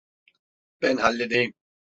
Ben halledeyim.